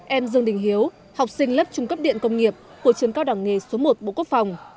em dương đình hiếu học sinh lớp trung cấp điện công nghiệp của trường cao đẳng nghề số một bộ quốc phòng